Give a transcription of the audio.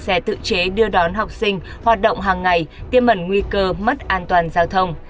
xe tự chế đưa đón học sinh hoạt động hàng ngày tiêm ẩn nguy cơ mất an toàn giao thông